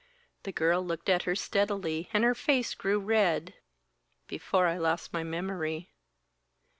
The girl looked at her steadily and her face grew red. "Before I lost my memory."